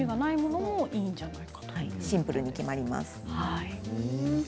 シンプルに決まります。